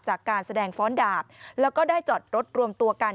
จากการแสดงฟ้อนดาบแล้วก็ได้จอดรถรวมตัวกัน